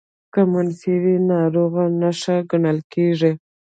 که منفي وي ناروغۍ نښه ګڼل کېږي